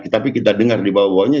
tapi kita dengar di bawah bawahnya